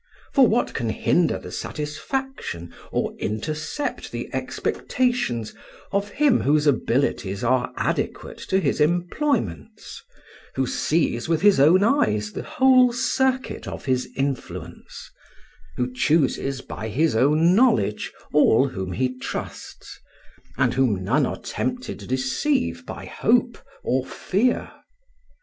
For what can hinder the satisfaction or intercept the expectations of him whose abilities are adequate to his employments, who sees with his own eyes the whole circuit of his influence, who chooses by his own knowledge all whom he trusts, and whom none are tempted to deceive by hope or fear?